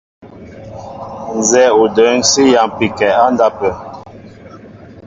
Nzɛ́ɛ́ o də̌ŋ sí yámpi kɛ́ á ndápə̂.